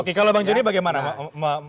oke kalau bang judi bagaimana menanggapinya